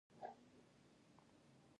د کابل په پغمان کې د ګرانیټ تیږې شته.